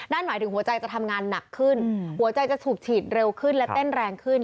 นั่นหมายถึงหัวใจจะทำงานหนักขึ้นหัวใจจะถูกฉีดเร็วขึ้นและเต้นแรงขึ้น